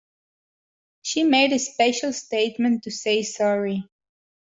She made a special statement to say sorry